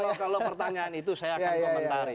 kalau pertanyaan itu saya akan komentari